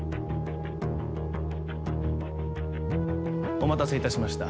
お待たせいたしました